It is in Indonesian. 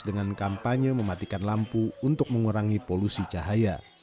dengan kampanye mematikan lampu untuk mengurangi polusi cahaya